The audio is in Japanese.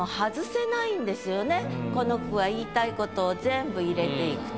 この句は言いたいことを全部入れていくと。